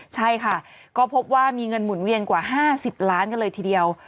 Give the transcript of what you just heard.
ใช่ค่ะก็พบว่ามีเงินหมุนเวียนกว่า๕๐ล้านกันเลยทีเดียว